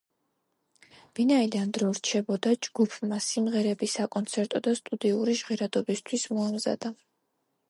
ვინაიდან დრო რჩებოდა, ჯგუფმა სიმღერები საკონცერტო და სტუდიური ჟღერადობისთვის მოამზადა.